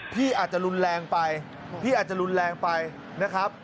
พี่อาจจะรุนแรงไปพี่อาจจะรุนแรงไปนะครับ